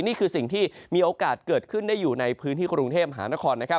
นี่คือสิ่งที่มีโอกาสเกิดขึ้นได้อยู่ในพื้นที่กรุงเทพมหานครนะครับ